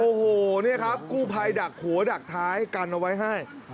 โอ้โหนี่ครับกู้ภัยดักหัวดักท้ายกันเอาไว้ให้